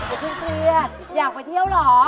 เออโอ้เที่ยนอยากไปเที่ยวเหรอ